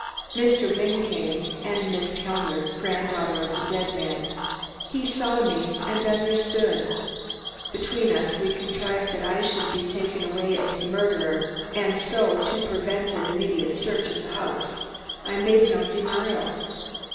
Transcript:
"... Mr. Wynne came, and a Miss Kellner, granddaughter of the dead man. ... He saw me, and understood ... between us we contrived that I should be taken away as the murderer, and so prevent an immediate search of the house. ... I made no denial.